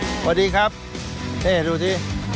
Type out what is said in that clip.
สวัสดีครับนี่ดูสิ